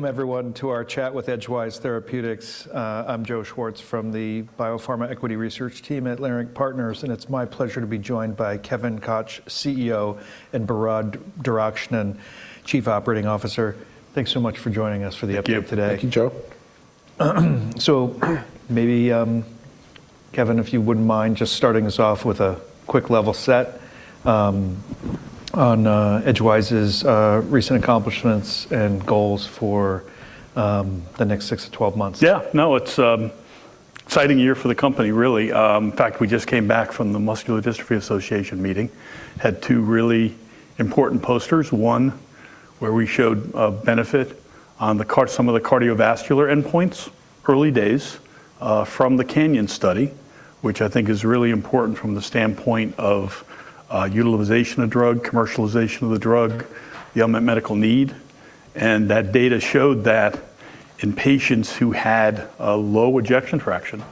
Welcome everyone to our chat with Edgewise Therapeutics. I'm Joseph Schwartz from the BioPharma Equity Research team at Leerink Partners, and it's my pleasure to be joined by Kevin Koch, CEO, and Behrad Derakhshan, Chief Operating Officer. Thanks so much for joining us for the update today. Thank you, Joe. Maybe, Kevin, if you wouldn't mind just starting us off with a quick level set on Edgewise's recent accomplishments and goals for the next 6-12 months. Yeah. No, it's exciting year for the company, really. In fact, we just came back from the Muscular Dystrophy Association meeting. Had two really important posters, one where we showed a benefit on some of the cardiovascular endpoints, early days from the CANYON study, which I think is really important from the standpoint of utilization of drug, commercialization of the drug, the unmet medical need. That data showed that in patients who had a low ejection fraction,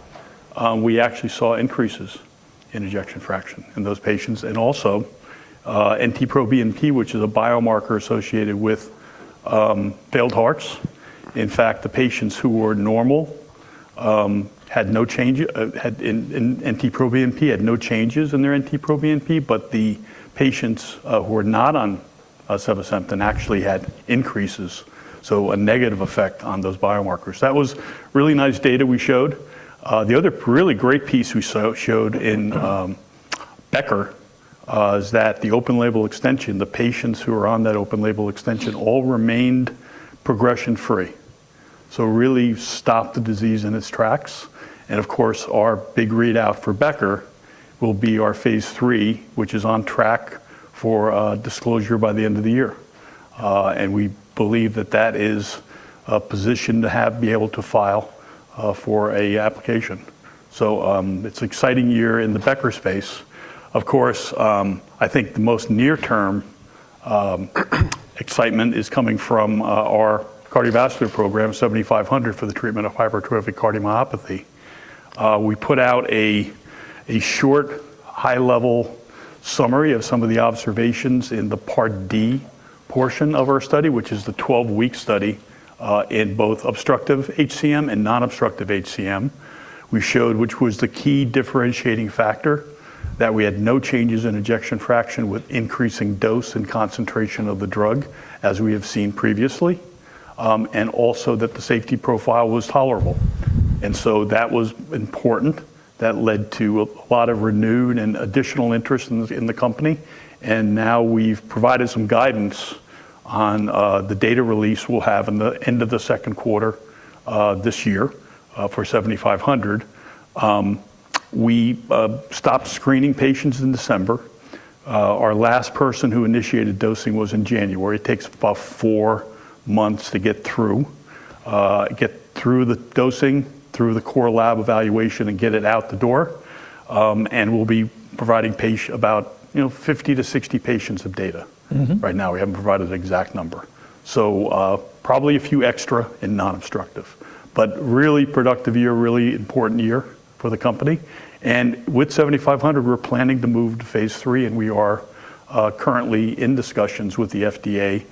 we actually saw increases in ejection fraction in those patients. Also, NT-proBNP, which is a biomarker associated with heart failure. In fact, the patients who were normal had no changes in their NT-proBNP, but the patients who were not on sevasemten actually had increases, so a negative effect on those biomarkers. That was really nice data we showed. The other really great piece we showed in Becker is that the open label extension, the patients who are on that open label extension all remained progression free. Really stopped the disease in its tracks. Of course, our big readout for Becker will be our Phase III, which is on track for disclosure by the end of the year. \We believe that is a position to have, be able to file for an application. It's exciting year in the Becker space. Of course, I think the most near term excitement is coming from our cardiovascular program, 7500 for the treatment of hypertrophic cardiomyopathy. We put out a short high level summary of some of the observations in the Part D portion of our study, which is the 12-week study, in both obstructive HCM and non-obstructive HCM. We showed which was the key differentiating factor, that we had no changes in ejection fraction with increasing dose and concentration of the drug, as we have seen previously, and also that the safety profile was tolerable. That was important. That led to a lot of renewed and additional interest in the company, and now we've provided some guidance on the data release we'll have in the end of the Q2 this year for 7500. We stopped screening patients in December. Our last person who initiated dosing was in January. It takes about four months to get through the dosing, through the core lab evaluation, and get it out the door. We'll be providing about, 50-60 patients' data. Mm-hmm. Right now, we haven't provided an exact number. Probably a few extra in non-obstructive. Really productive year, really important year for the company. With 7500, we're planning to move to Phase III, and we are currently in discussions with the FDA.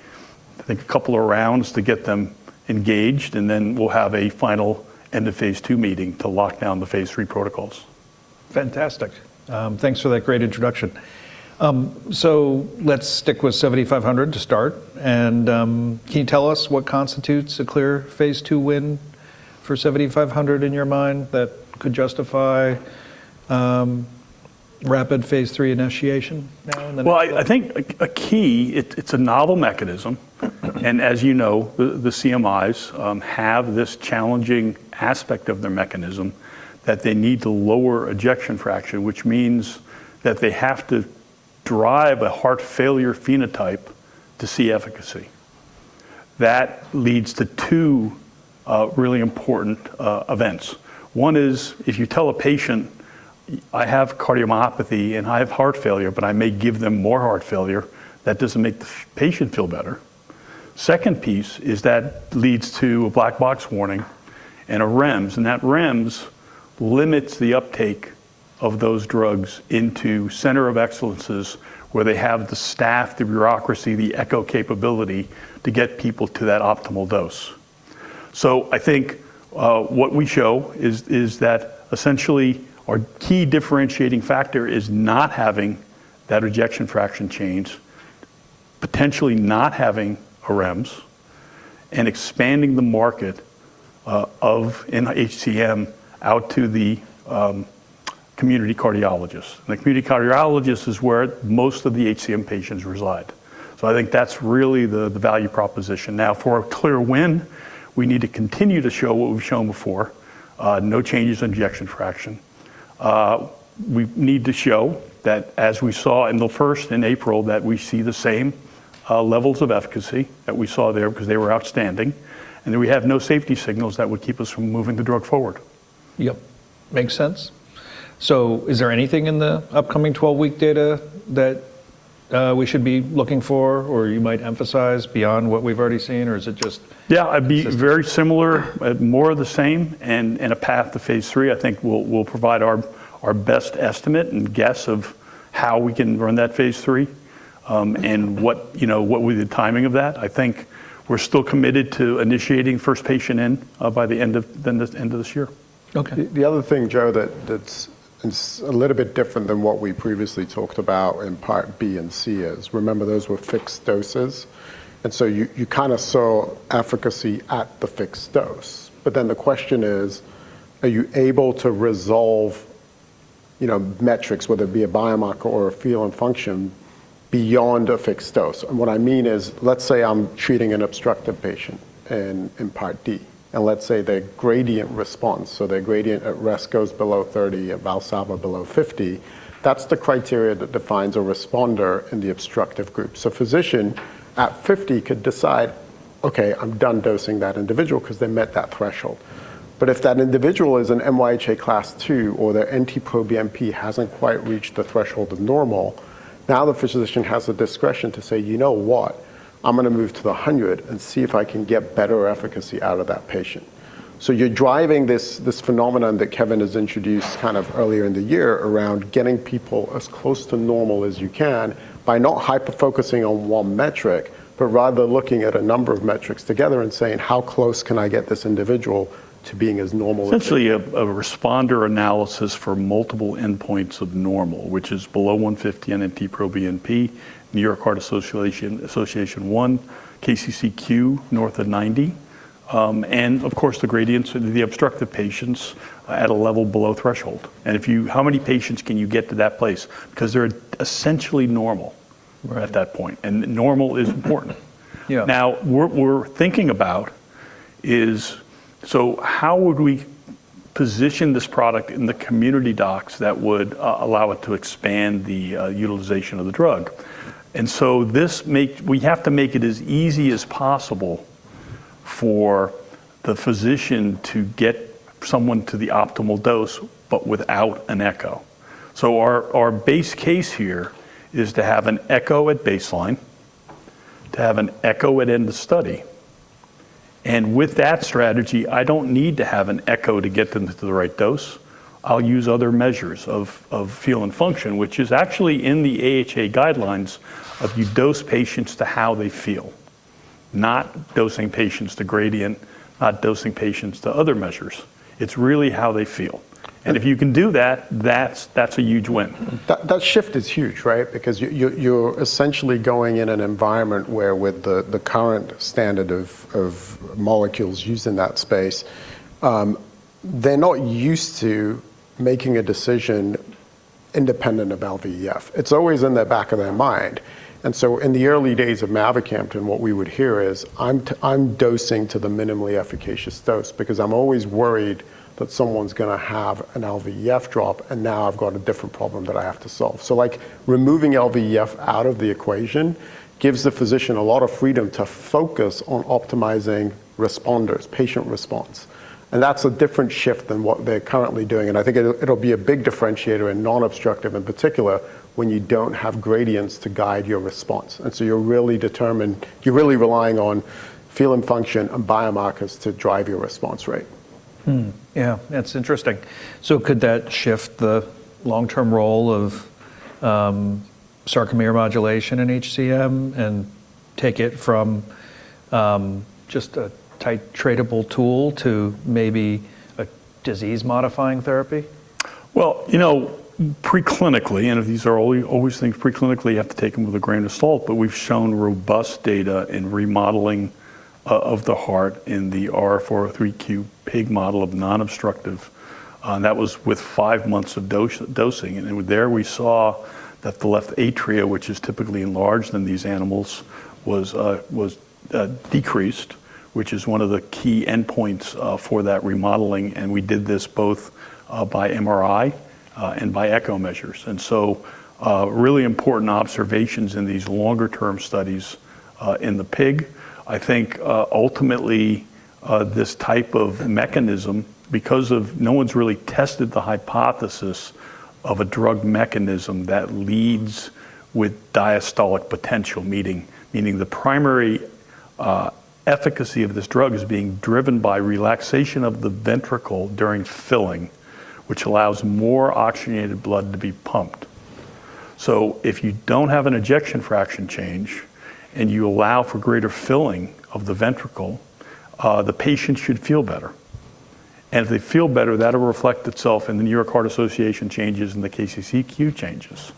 I think a couple of rounds to get them engaged, and then we'll have a final end of Phase II meeting to lock down the Phase III protocols. Fantastic. Thanks for that great introduction. Let's stick with 7500 to start. Can you tell us what constitutes a clear Phase II win for 7500 in your mind that could justify rapid Phase III initiation now in the next- I think it's a key, it's a novel mechanism. As the CMIs have this challenging aspect of their mechanism that they need to lower ejection fraction, which means that they have to drive a heart failure phenotype to see efficacy. That leads to two really important events. One is if you tell a patient, "I have cardiomyopathy and I have heart failure," but I may give them more heart failure, that doesn't make the patient feel better. Second piece is that leads to a black box warning and a REMS, and that REMS limits the uptake of those drugs into centers of excellence where they have the staff, the bureaucracy, the echo capability to get people to that optimal dose. I think what we show is that essentially our key differentiating factor is not having that ejection fraction change, potentially not having a REMS, and expanding the market of NHCM out to the community cardiologists. The community cardiologist is where most of the HCM patients reside. I think that's really the value proposition. Now, for a clear win, we need to continue to show what we've shown before, no changes in ejection fraction. We need to show that as we saw in the first in April, that we see the same levels of efficacy that we saw there because they were outstanding, and then we have no safety signals that would keep us from moving the drug forward. Yep. Makes sense. Is there anything in the upcoming 12-week data that we should be looking for or you might emphasize beyond what we've already seen, or is it just? Yeah, I'd be very similar, more of the same and a path to Phase III. I think we'll provide our best estimate and guess of how we can run that Phase III, and what, what would be the timing of that. I think we're still committed to initiating first patient in by the end of this year. Okay. The other thing, Joe, that is a little bit different than what we previously talked about in Part B and C is remember those were fixed doses, and so you kind of saw efficacy at the fixed dose. The question is, are you able to resolve, metrics, whether it be a biomarker or a feel and function beyond a fixed dose? What I mean is, let's say I'm treating an obstructive patient in Part D. Let's say their gradient response, so their gradient at rest goes below 30, at Valsalva below 50. That's the criteria that defines a responder in the obstructive group. Physician at 50 could decide, "Okay, I'm done dosing that individual 'cause they met that threshold." But if that individual is an NYHA Class II or their NT-proBNP hasn't quite reached the threshold of normal, now the physician has the discretion to say, "You know what? I'm going to move to the 100 and see if I can get better efficacy out of that patient." You're driving this phenomenon that Kevin has introduced kind of earlier in the year around getting people as close to normal as you can by not hyper-focusing on one metric, but rather looking at a number of metrics together and saying, "How close can I get this individual to being as normal as they can? Essentially a responder analysis for multiple endpoints of normal, which is below 150 NT-proBNP, New York Heart Association class I, KCCQ north of 90, and of course, the gradients of the obstructive patients at a level below threshold. How many patients can you get to that place? 'Cause they're essentially normal. Right At that point. Normal is important. Yes. Now, what we're thinking about is, so how would we position this product in the community docs that would allow it to expand the utilization of the drug? We have to make it as easy as possible for the physician to get someone to the optimal dose, but without an echo. Our base case here is to have an echo at baseline, to have an echo at end of study. With that strategy, I don't need to have an echo to get them to the right dose. I'll use other measures of feel and function, which is actually in the AHA guidelines, you dose patients to how they feel, not dosing patients to gradient, not dosing patients to other measures. It's really how they feel. If you can do that's a huge win. That shift is huge, right? Because you're essentially going in an environment where with the current standard of molecules used in that space, they're not used to making a decision independent of LVEF. It's always in the back of their mind. In the early days of mavacamten, what we would hear is, "I'm dosing to the minimally efficacious dose because I'm always worried that someone's going to have an LVEF drop, and now I've got a different problem that I have to solve." Like, removing LVEF out of the equation gives the physician a lot of freedom to focus on optimizing responders, patient response. That's a different shift than what they're currently doing. I think it'll be a big differentiator in non-obstructive in particular, when you don't have gradients to guide your response. You're really determined. You're really relying on feel and function and biomarkers to drive your response rate. That's interesting. Could that shift the long-term role of sarcomere modulation in HCM and take it from just a titratable tool to maybe a disease-modifying therapy? You know, preclinically, these are always things preclinically you have to take them with a grain of salt, but we've shown robust data in remodeling of the heart in the R403Q pig model of non-obstructive. That was with five months of dosing. There we saw that the left atria, which is typically enlarged in these animals, was decreased, which is one of the key endpoints for that remodeling, and we did this both by MRI and by echo measures. Really important observations in these longer term studies in the pig. I think ultimately this type of mechanism, because no one's really tested the hypothesis of a drug mechanism that leads with diastolic potential, meaning the primary efficacy of this drug is being driven by relaxation of the ventricle during filling, which allows more oxygenated blood to be pumped. If you don't have an ejection fraction change and you allow for greater filling of the ventricle, the patient should feel better. If they feel better, that'll reflect itself in the New York Heart Association changes and the KCCQ changes.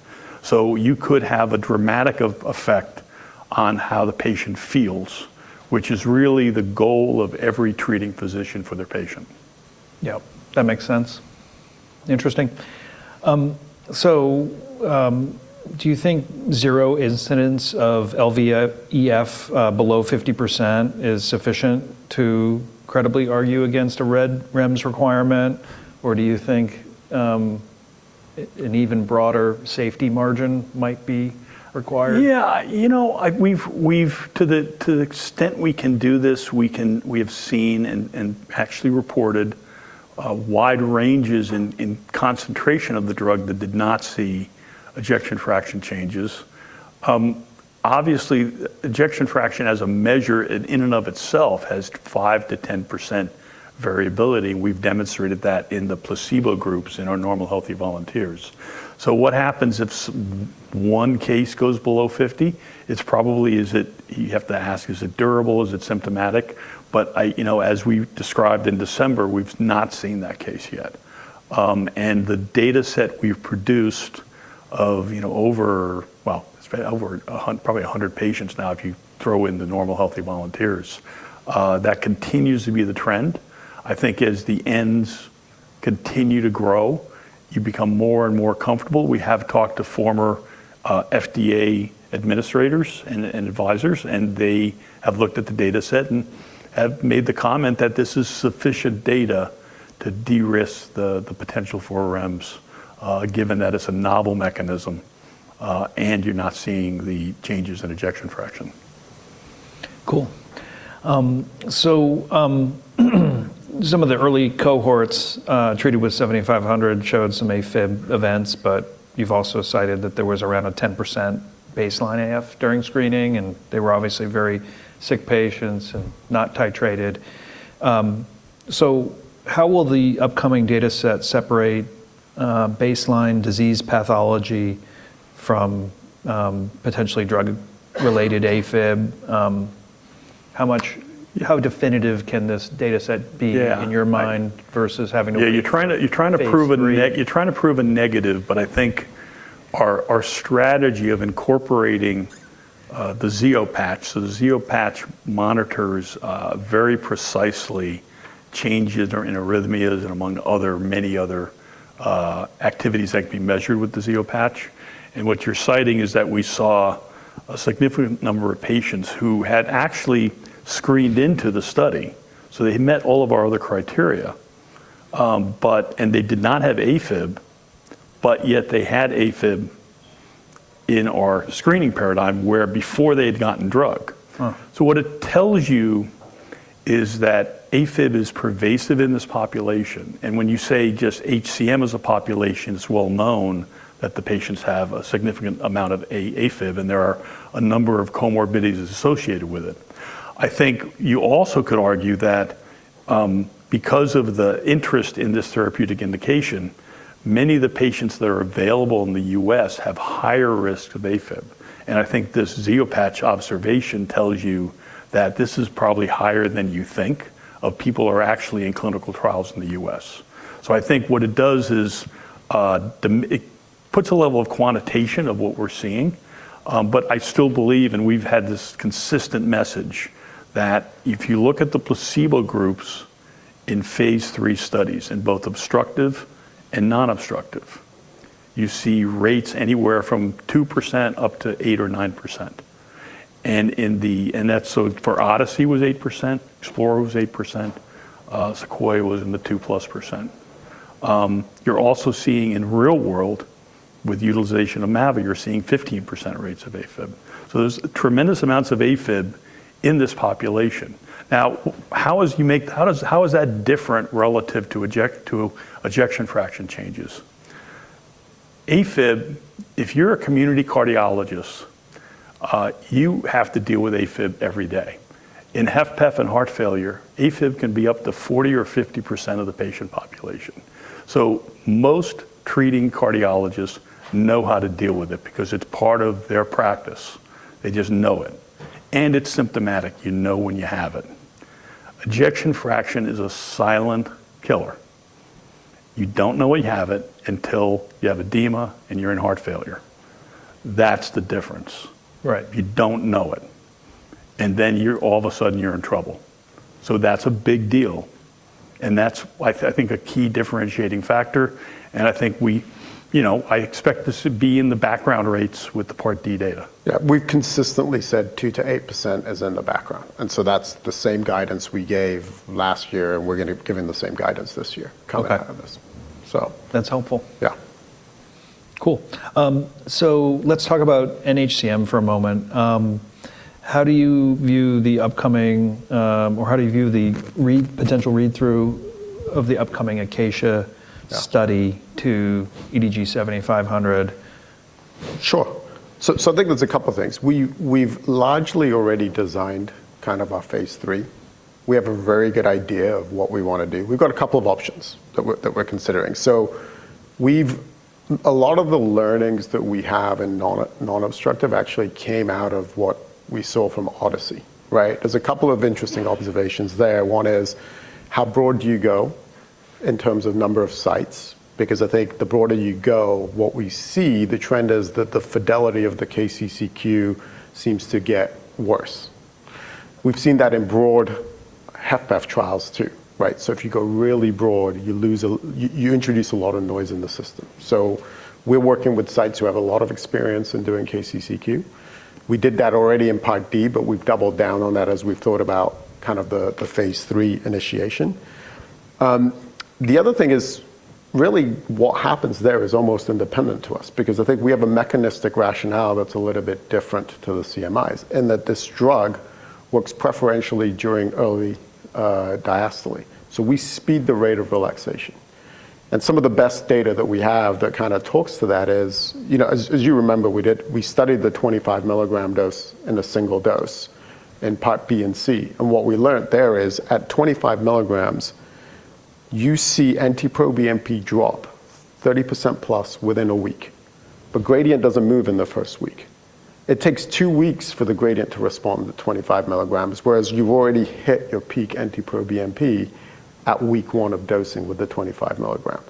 You could have a dramatic effect on how the patient feels, which is really the goal of every treating physician for their patient. Yep. That makes sense. Interesting. So, do you think zero incidence of LVEF below 50% is sufficient to credibly argue against a REMS requirement, or do you think an even broader safety margin might be required? You know, we've to the extent we can do this, we have seen and actually reported a wide ranges in concentration of the drug that did not see ejection fraction changes. Obviously, ejection fraction as a measure in and of itself has 5%-10% variability. We've demonstrated that in the placebo groups in our normal healthy volunteers. What happens if one case goes below 50? It's probably. You have to ask, is it durable? Is it symptomatic? as we described in December, we've not seen that case yet. The dataset we've produced of, over, well, it's over probably 100 patients now, if you throw in the normal healthy volunteers, that continues to be the trend. I think as the ends continue to grow, you become more and more comfortable. We have talked to former FDA administrators and advisors, and they have looked at the dataset and have made the comment that this is sufficient data to de-risk the potential for REMS, given that it's a novel mechanism, and you're not seeing the changes in ejection fraction. Cool. Some of the early cohorts treated with 7500 showed some AFib events, but you've also cited that there was around a 10% baseline AFib during screening, and they were obviously very sick patients and not titrated. How will the upcoming dataset separate baseline disease pathology from potentially drug-related AFib? How definitive can this dataset be? Yeah in your mind versus having to wait. Yeah, you're trying to prove a negative. Phase III. You're trying to prove a negative, but I think our strategy of incorporating the Zio Patch. The Zio Patch monitors very precisely changes in arrhythmias and among many other activities that can be measured with the Zio Patch. What you're citing is that we saw a significant number of patients who had actually screened into the study. They met all of our other criteria, but they did not have AFib, but yet they had AFib in our screening paradigm where before they had gotten drug. Huh. What it tells you is that AFib is pervasive in this population. When you say just HCM as a population, it's well known that the patients have a significant amount of AFib, and there are a number of comorbidities associated with it. I think you also could argue that, because of the interest in this therapeutic indication, many of the patients that are available in the U.S. have higher risk of AFib. I think this Zio Patch observation tells you that this is probably higher than you think of people who are actually in clinical trials in the U.S. I think what it does is, it puts a level of quantitation of what we're seeing. I still believe, and we've had this consistent message, that if you look at the placebo groups in Phase III studies, in both obstructive and non-obstructive, you see rates anywhere from 2% up to 8% or 9%. For ODYSSEY-HCM was 8%, EXPLORER-HCM was 8%, SEQUOIA was in the 2+%. You're also seeing in real world with utilization of Mava, you're seeing 15% rates of AFib. There's tremendous amounts of AFib in this population. Now, how is that different relative to ejection fraction changes? AFib, if you're a community cardiologist, you have to deal with AFib every day. In HFpEF and heart failure, AFib can be up to 40% or 50% of the patient population. Most treating cardiologists know how to deal with it because it's part of their practice. They just know it, and it's symptomatic. You know when you have it. Ejection fraction is a silent killer. You don't know when you have it until you have edema and you're in heart failure. That's the difference. Right. You don't know it. You're all of a sudden in trouble. That's a big deal. That's, I think, a key differentiating factor, and I think, I expect this to be in the background rates with the Part D data. Yeah. We've consistently said 2%-8% is in the background, and so that's the same guidance we gave last year, and we're going to be giving the same guidance this year. Okay coming out of this. That's helpful. Yeah. Cool. Let's talk about NHCM for a moment. How do you view the potential read-through of the upcoming ACACIA-HCM study? Yeah To EDG-7500? Sure. I think there's a couple of things. We've largely already designed kind of our Phase III. We have a very good idea of what we want to do. We've got a couple of options that we're considering. We've a lot of the learnings that we have in non-obstructive actually came out of what we saw from ODYSSEY, right? There's a couple of interesting observations there. One is, how broad do you go in terms of number of sites? Because I think the broader you go, what we see, the trend is that the fidelity of the KCCQ seems to get worse. We've seen that in broad HFpEF trials too, right? If you go really broad, you introduce a lot of noise in the system. We're working with sites who have a lot of experience in doing KCCQ. We did that already in Part D, but we've doubled down on that as we've thought about kind of the Phase III initiation. The other thing is really what happens there is almost independent to us because I think we have a mechanistic rationale that's a little bit different to the CMIs, in that this drug works preferentially during early diastole, so we speed the rate of relaxation. Some of the best data that we have that kind of talks to that is, as you remember, we studied the 25 milligram dose in a single dose in part B and C. What we learned there is at 25 milligrams, you see NT-proBNP drop 30% plus within a week, but gradient doesn't move in the first week. It takes 2 weeks for the gradient to respond to the 25 milligrams, whereas you've already hit your peak NT-proBNP at week 1 of dosing with the 25 milligram.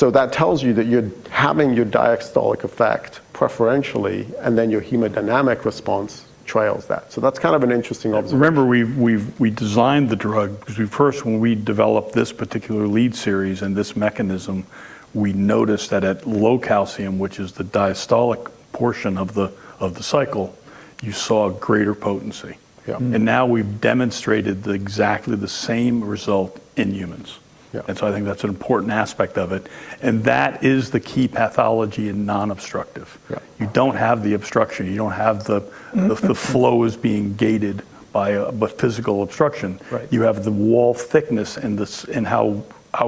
That tells you that you're having your diastolic effect preferentially, and then your hemodynamic response trails that. That's kind of an interesting observation. Remember, we designed the drug because when we developed this particular lead series and this mechanism, we noticed that at low calcium, which is the diastolic portion of the cycle, you saw greater potency. Yeah. Now we've demonstrated the exact same result in humans. Yeah. I think that's an important aspect of it, and that is the key pathology in non-obstructive. Yeah. You don't have the obstruction. Mm-hmm. The flow is being gated by physical obstruction. Right. You have the wall thickness and how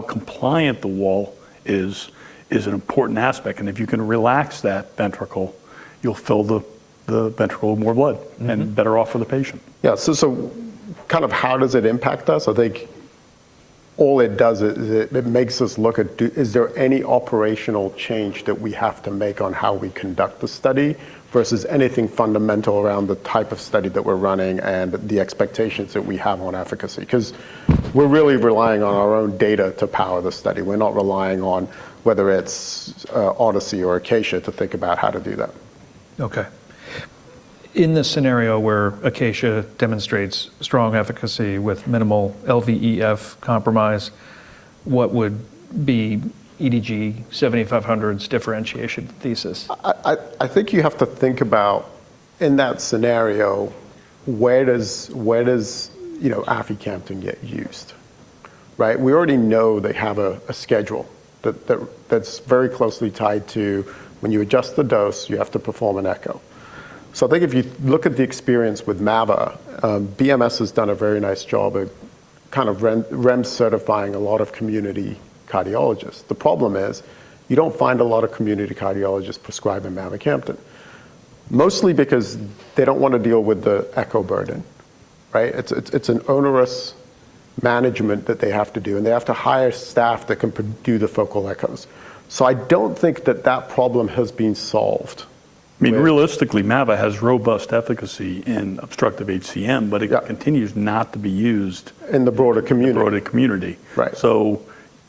compliant the wall is an important aspect, and if you can relax that ventricle, you'll fill the ventricle with more blood. Mm-hmm. Better off for the patient. Yeah. Kind of how does it impact us? I think all it does it makes us look at is there any operational change that we have to make on how we conduct the study versus anything fundamental around the type of study that we're running and the expectations that we have on efficacy? 'Cause we're really relying on our own data to power the study. We're not relying on whether it's ONSET or ACACIA-HCM to think about how to do that. Okay. In the scenario where ACACIA-HCM demonstrates strong efficacy with minimal LVEF compromise, what would be EDG-7500's differentiation thesis? I think you have to think about in that scenario, where does aficamten get used, right? We already know they have a schedule that's very closely tied to when you adjust the dose, you have to perform an echo. I think if you look at the experience with Mava, BMS has done a very nice job at kind of REMS certifying a lot of community cardiologists. The problem is you don't find a lot of community cardiologists prescribing mavacamten, mostly because they don't want to deal with the echo burden, right? It's an onerous management that they have to do, and they have to hire staff that can do the focal echos. I don't think that problem has been solved with- I mean, realistically, Mava has robust efficacy in obstructive HCM. Yeah. Continues not to be used. In the broader community. Broader community. Right.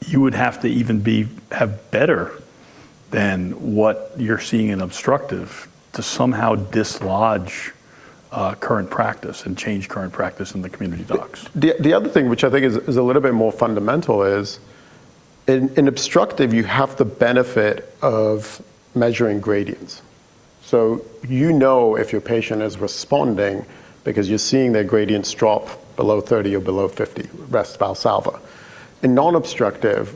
You would have to even have better than what you're seeing in obstructive to somehow dislodge current practice and change current practice in the community docs. The other thing which I think is a little bit more fundamental is in obstructive, you have the benefit of measuring gradients. So you know if your patient is responding because you're seeing their gradients drop below 30 or below 50 rest Valsalva. In non-obstructive,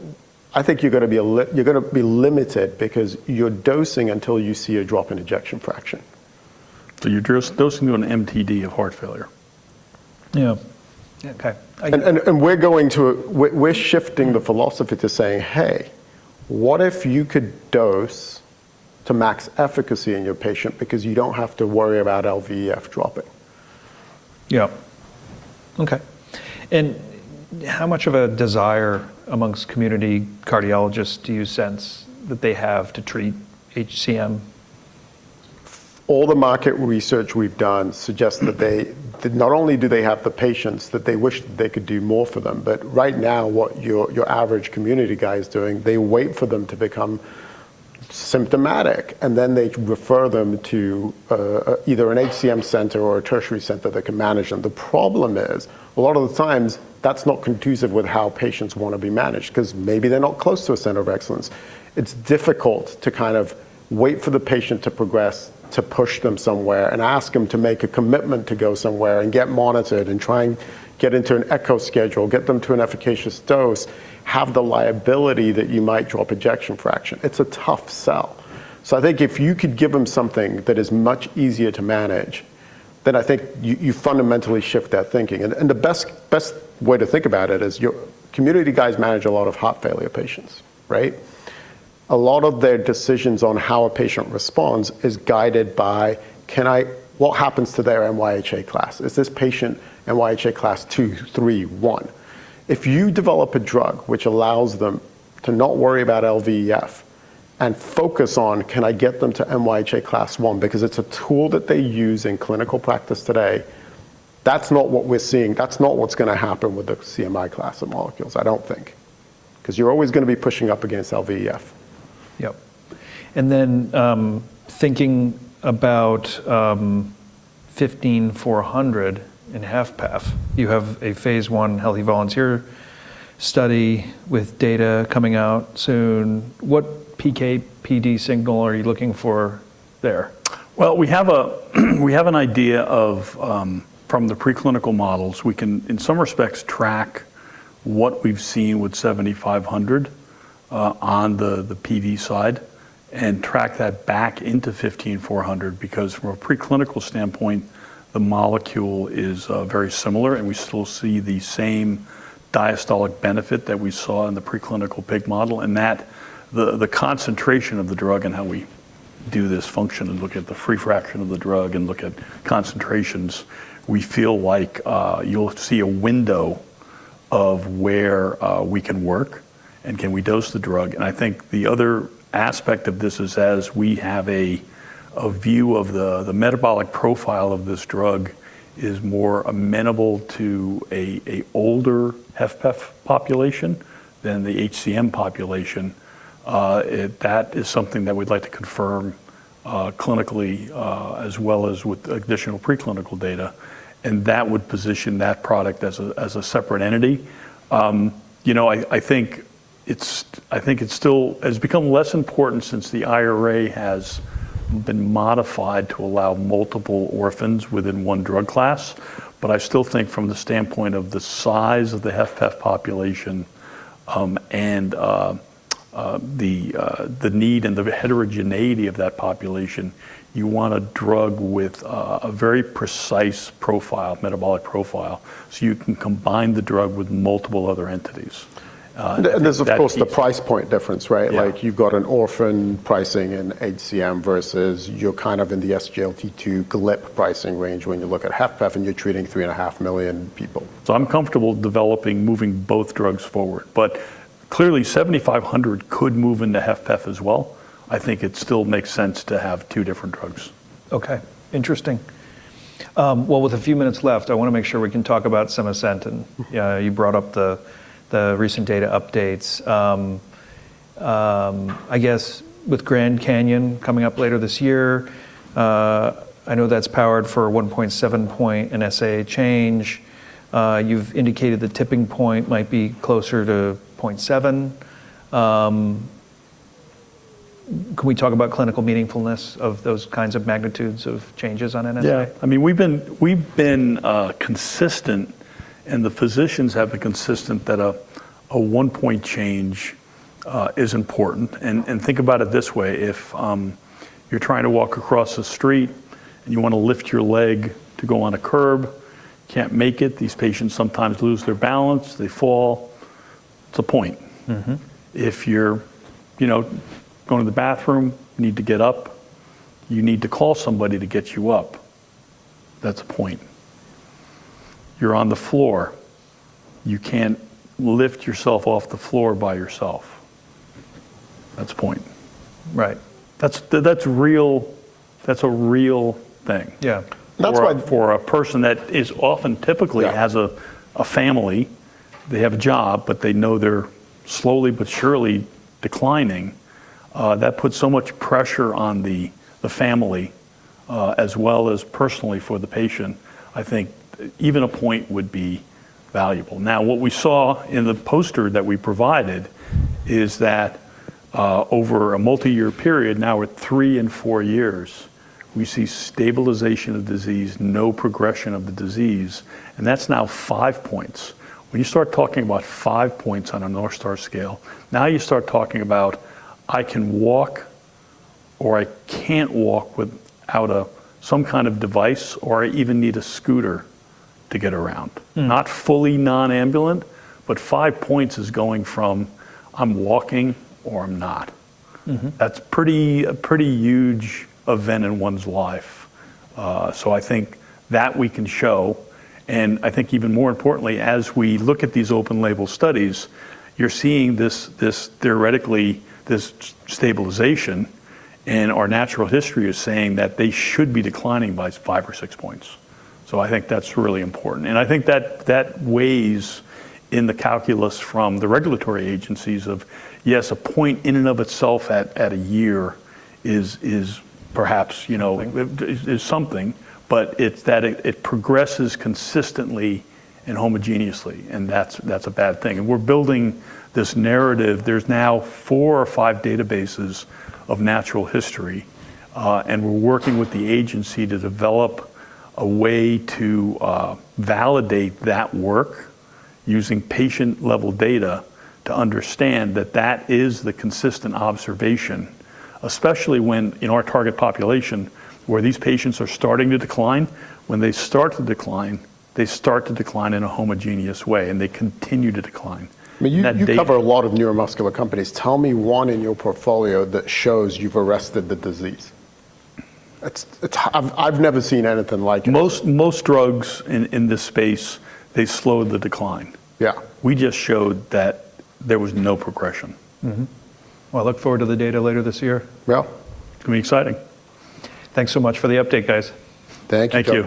I think you're going to be limited because you're dosing until you see a drop in ejection fraction. You're dosing on MTD of heart failure. Yeah. Okay. We're shifting the philosophy to say, "Hey, what if you could dose to max efficacy in your patient because you don't have to worry about LVEF dropping? Yeah. Okay. How much of a desire among community cardiologists do you sense that they have to treat HCM? All the market research we've done suggests that not only do they have the patients that they wish they could do more for them, but right now what your average community guy is doing, they wait for them to become symptomatic and then they refer them to either an HCM center or a tertiary center that can manage them. The problem is a lot of the times, that's not conducive with how patients want to be managed 'cause maybe they're not close to a center of excellence. It's difficult to kind of wait for the patient to progress, to push them somewhere, and ask them to make a commitment to go somewhere and get monitored and try and get into an echo schedule, get them to an efficacious dose, have the liability that you might drop ejection fraction. It's a tough sell. I think if you could give them something that is much easier to manage, then I think you fundamentally shift that thinking. And the best way to think about it is your community guys manage a lot of heart failure patients, right? A lot of their decisions on how a patient responds is guided by what happens to their NYHA class? Is this patient NYHA class two, three, one? If you develop a drug which allows them to not worry about LVEF and focus on, can I get them to NYHA class one because it's a tool that they use in clinical practice today, that's not what we're seeing. That's not what's going to happen with the CMI class of molecules, I don't think, 'cause you're always going to be pushing up against LVEF. Yep. Thinking about EDG-15400 in HFpEF, you have a Phase I healthy volunteer study with data coming out soon. What PK/PD signal are you looking for? Well, we have an idea of from the preclinical models, we can, in some respects, track what we've seen with 7500 on the PD side and track that back into 15400. Because from a preclinical standpoint, the molecule is very similar, and we still see the same diastolic benefit that we saw in the preclinical pig model. The concentration of the drug and how we do this function and look at the free fraction of the drug and look at concentrations, we feel like you'll see a window of where we can work and can we dose the drug. I think the other aspect of this is as we have a view of the metabolic profile of this drug is more amenable to a older HFpEF population than the HCM population. That is something that we'd like to confirm, clinically, as well as with additional preclinical data, and that would position that product as a separate entity. I think it's still. It's become less important since the IRA has been modified to allow multiple orphans within one drug class. But I still think from the standpoint of the size of the HFpEF population, and the need and the heterogeneity of that population, you want a drug with a very precise profile, metabolic profile, so you can combine the drug with multiple other entities, that- There's, of course, the price point difference, right? Yeah. Like, you've got an orphan pricing in HCM versus you're kind of in the SGLT2 GLP-1 pricing range when you look at HFpEF, and you're treating 3.5 million people. I'm comfortable developing, moving both drugs forward. Clearly, 7500 could move into HFpEF as well. I think it still makes sense to have two different drugs. Okay. Interesting. Well, with a few minutes left, I want to make sure we can talk about sevasemten. Mm-hmm. Yeah, you brought up the recent data updates. I guess with GRAND CANYON coming up later this year, I know that's powered for 1.7-point NSAA change. You've indicated the tipping point might be closer to 0.7. Can we talk about clinical meaningfulness of those kinds of magnitudes of changes on NSAA? Yeah. I mean, we've been consistent, and the physicians have been consistent, that a 1-point change is important. Think about it this way, if you're trying to walk across a street and you want to lift your leg to go on a curb, can't make it. These patients sometimes lose their balance. They fall. It's a point. Mm-hmm. If you're, going to the bathroom, need to get up, you need to call somebody to get you up. That's a point. You're on the floor. You can't lift yourself off the floor by yourself. That's a point. Right. That's a real thing. Yeah. That's why. For a person that is often typically. Yeah has a family, they have a job, but they know they're slowly but surely declining, that puts so much pressure on the family as well as personally for the patient. I think even a point would be valuable. Now, what we saw in the poster that we provided is that over a multiyear period, now we're 3 and 4 years, we see stabilization of disease, no progression of the disease, and that's now five points. When you start talking about five points on a North Star scale, now you start talking about, "I can walk," or, "I can't walk without some kind of device," or, "I even need a scooter to get around. Mm. Not fully non-ambulatory, but 5 points is going from, "I'm walking" or, "I'm not. Mm-hmm. That's a pretty huge event in one's life. I think that we can show, and I think even more importantly, as we look at these open label studies, you're seeing this theoretical stabilization, and our natural history is saying that they should be declining by 5 or 6 points. I think that's really important. I think that weighs in the calculus from the regulatory agencies of, yes, a point in and of itself at a year is perhaps, you know. A thing. is something, but it's that it progresses consistently and homogeneously, and that's a bad thing. We're building this narrative. There's now four or five databases of natural history, and we're working with the agency to develop a way to validate that work using patient-level data to understand that that is the consistent observation, especially when in our target population, where these patients are starting to decline. When they start to decline, they start to decline in a homogeneous way, and they continue to decline. That data. I mean, you cover a lot of neuromuscular companies. Tell me one in your portfolio that shows you've arrested the disease. I've never seen anything like it. Most drugs in this space, they slowed the decline. Yeah. We just showed that there was no progression. Well, I look forward to the data later this year. Well- It's going to be exciting. Thanks so much for the update, guys. Thank you. Thank you.